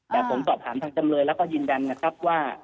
แต่ผมสอบถามทางจำเลยแล้วก็ยืนยันนะครับว่า